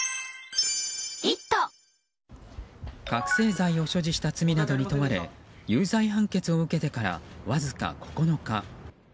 覚醒剤を所持した罪などに問われ有罪判決を受けてからわずか９日。